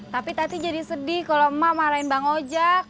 tapi tadi jadi sedih kalau emak marahin bang ojak